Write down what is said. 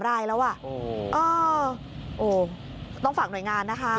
รายแล้วอ่ะโอ้ต้องฝากหน่วยงานนะคะ